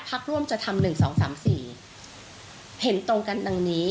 พักร่วมจะทำหนึ่งสองสามสี่เห็นตรงกันตรงนี้